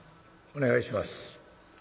お願いします」。